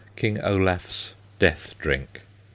KING OLAF'S DEATH DRINK.